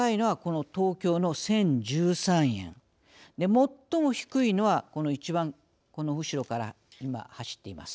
最も低いのは一番後ろから今走っています。